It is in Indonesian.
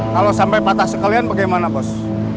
kalau sampai patah sekalian bagaimana bos